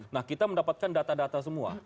nah kita mendapatkan data data semua